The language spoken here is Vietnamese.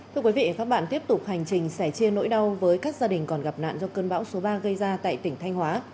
thưa quý vị và các bạn tiếp tục hành trình sẻ chia nỗi đau với các gia đình còn gặp nạn do cơn bão số ba gây ra tại tỉnh thanh hóa